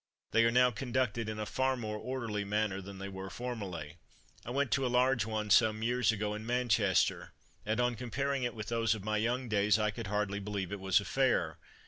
They are now conducted in a far more orderly manner than they were formerly. I went to a large one some years ago, in Manchester, and, on comparing it with those of my young days, I could hardly believe it was a fair.